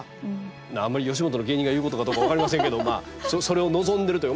あんまり吉本の芸人が言うことかどうか分かりませんけどそれを望んでいるというか。